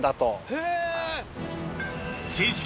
へぇ！